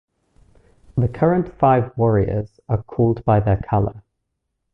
The current five warriors are called by their color.